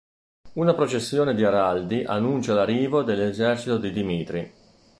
Una processione di araldi annuncia l'arrivo dell'esercito di Dmitrij.